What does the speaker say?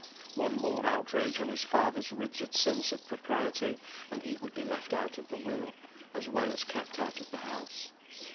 One more outrage on his father's rigid sense of propriety, and he would be left out of the will as well as kept out of the house.